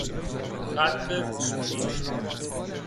خط کوفی